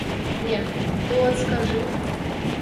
Не, ты от скажы?